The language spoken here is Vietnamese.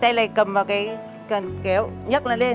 tay này cầm vào cái cần kéo nhắc nó lên